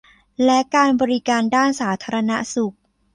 และการบริการด้านสาธารณสุข